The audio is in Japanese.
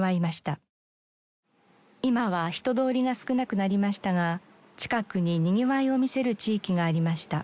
今は人通りが少なくなりましたが近くににぎわいを見せる地域がありました。